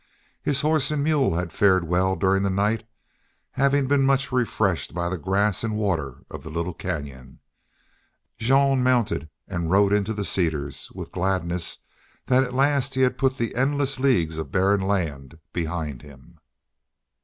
His horse and mule had fared well during the night, having been much refreshed by the grass and water of the little canyon. Jean mounted and rode into the cedars with gladness that at last he had put the endless leagues of barren land behind him.